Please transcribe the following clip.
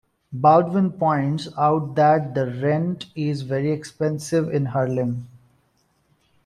Baldwin points out that the rent is very expensive in Harlem.